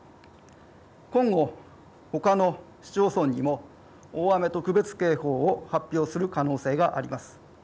今後ほかの市町村にも大雨特別警報を発表する可能性があります。